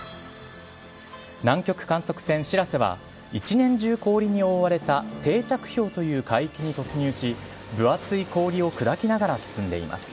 南極観測船しらせは、１年中氷に覆われた定着氷という海域に突入し、分厚い氷を砕きながら進んでいます。